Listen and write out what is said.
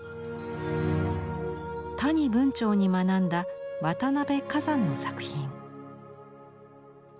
谷文晁に学んだ渡辺崋山の作品。